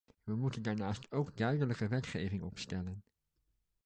We moeten daarnaast ook duidelijke wetgeving opstellen.